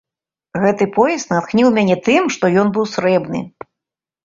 Гэты пояс натхніў мяне тым, што ён быў срэбны.